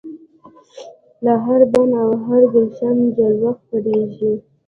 له هر بڼ او هر ګلشن جلوه خپریږي